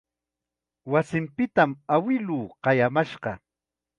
Wasinpitam awiluu qayamashqa.